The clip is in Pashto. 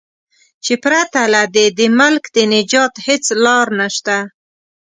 چې پرته له دې د ملک د نجات هیڅ لار نشته.